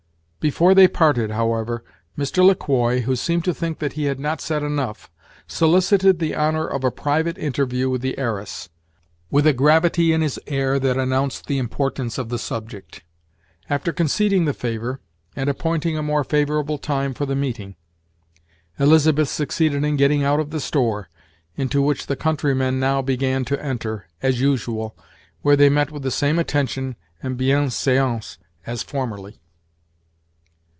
Before they parted, however, Mr. Le Quoi, who seemed to think that he had not said enough, solicited the honor of a private interview with the heiress, with a gravity in his air that announced the importance of the subject. After conceding the favor, and appointing a more favorable time for the meeting, Elizabeth succeeded in getting out of the store, into which the countrymen now began to enter, as usual, where they met with the same attention and bien seance as formerly.